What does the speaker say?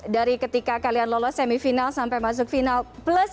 dari ketika kalian lolos semifinal sampai masuk final plus